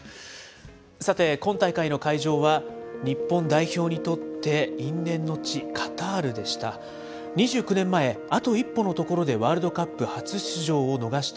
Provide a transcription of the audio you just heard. さて、今大会の会場は、日本代表にとって因縁の地、カタールでした。